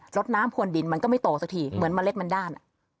รถน้ำพวนดินมันก็ไม่โตสักทีเหมือนเมล็ดมันด้าน